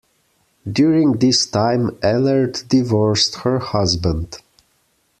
During this time Ehlert divorced her husband.